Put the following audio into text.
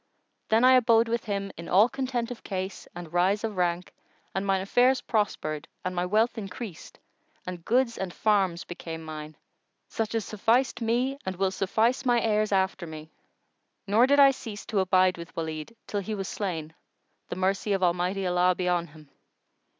Then I abode with him in all content of case and rise of rank and mine affairs prospered and my wealth increased and goods and farms became mine, such as sufficed me and will suffice my heirs after me; nor did I cease to abide with Walid, till he was slain, the mercy of Almighty Allah be on him!"